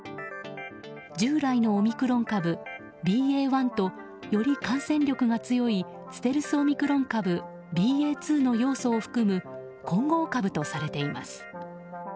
従来のオミクロン株ＢＡ．１とより感染力が強いステルスオミクロン株ＢＡ．２の要素を含む混合株とされています。